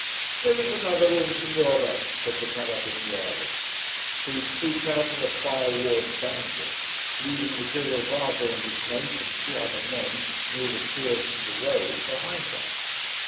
"There is another room, Signora," said the carabiniere. So we trooped out of the fire warmed dungeon, leaving the girovago and his mate and two other men, muleteers from the road, behind us.